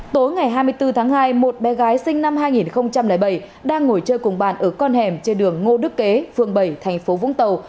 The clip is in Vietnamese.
tối ngày hai mươi bốn tháng hai một bé gái sinh năm hai nghìn bảy đang ngồi chơi cùng bạn ở con hẻm trên đường ngô đức kế phường bảy thành phố vũng tàu